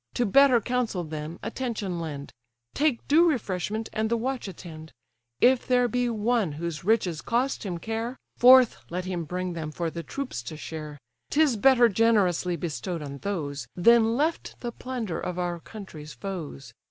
To better counsel then attention lend; Take due refreshment, and the watch attend. If there be one whose riches cost him care, Forth let him bring them for the troops to share; 'Tis better generously bestow'd on those, Than left the plunder of our country's foes.